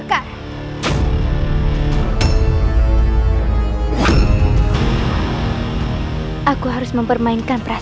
kenapa kau ingin meninggalkan aku